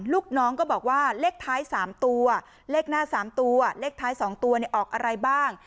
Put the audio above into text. ลูกน้องก็บอกว่าเลขท้าย๓ตัวเลขหน้า๓ตัวเลขท้าย๒ตัวออกอะไรบ้าง